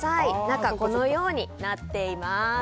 中、このようになっています。